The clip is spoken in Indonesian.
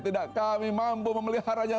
tidak kami mampu memeliharanya